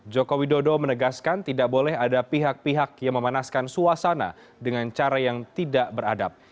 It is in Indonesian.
joko widodo menegaskan tidak boleh ada pihak pihak yang memanaskan suasana dengan cara yang tidak beradab